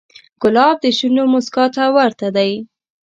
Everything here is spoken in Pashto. ګلاب د شونډو موسکا ته ورته دی.